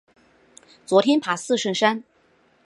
昨天爬四圣山